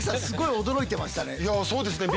すごい驚いてましたね。